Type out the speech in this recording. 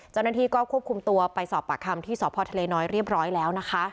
เจ้าหน้าที่ก็ควบคุมตัวไปสอบปากคำที่สพทะเลน้อยเรียบร้อยแล้วนะคะ